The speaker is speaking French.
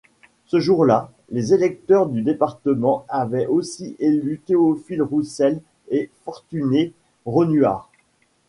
Ce jour-là, les électeurs du département avaient aussi élu Théophile Roussel et Fortuné Renouard.